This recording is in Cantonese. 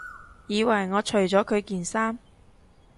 以為我除咗佢件衫